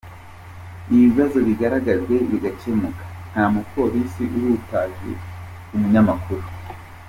Ibibazo bigaragajwe bigakemuka, nta mupolisi uhutaje umunyamakuru.